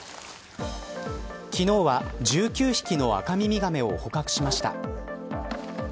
昨日は、１９匹のアカミミガメを捕獲しました。